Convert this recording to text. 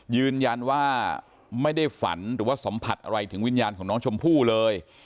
ยืนยันว่าไม่ได้ฝันหรือว่าสัมผัสอะไรถึงวิญญาณของน้องชมพู่เลย